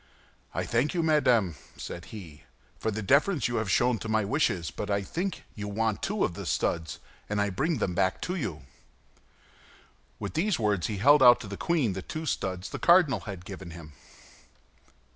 "I thank you, madame," said he, "for the deference you have shown to my wishes, but I think you want two of the studs, and I bring them back to you." With these words he held out to the queen the two studs the cardinal had given him.